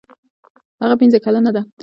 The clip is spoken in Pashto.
هغه پنځه کلنه ده.